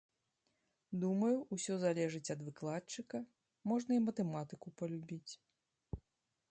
Думаю, усё залежыць ад выкладчыка, можна і матэматыку палюбіць.